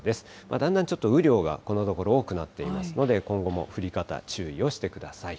だんだんちょっと雨量がこのところ多くなっていますので、今後も降り方、注意をしてください。